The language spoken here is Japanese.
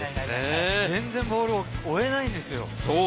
全然ボールを追えないんですよ。